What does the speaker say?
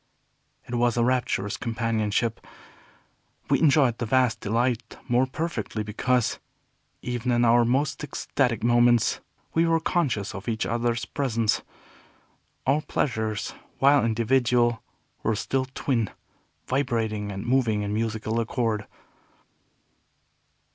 It was a rapturous companionship. We enjoyed the vast delight more perfectly because, even in our most ecstatic moments, we were conscious of each other's presence. Our pleasures, while individual, were still twin, vibrating and moving in musical accord.